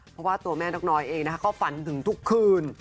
เพราะว่าตัวแม่นกน้อยเองนะคะเขาฝันถึงทุกคืน